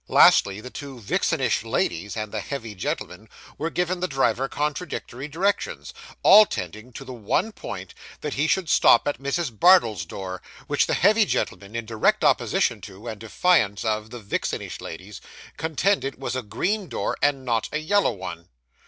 Lastly, the two vixenish ladies and the heavy gentleman were giving the driver contradictory directions, all tending to the one point, that he should stop at Mrs. Bardell's door; which the heavy gentleman, in direct opposition to, and defiance of, the vixenish ladies, contended was a green door and not a yellow one.